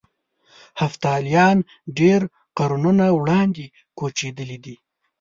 هفتالیان ډېر قرنونه وړاندې کوچېدلي دي.